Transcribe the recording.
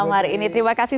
malam hari ini terima kasih